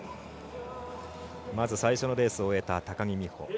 まず最初のレースを終えた高木美帆。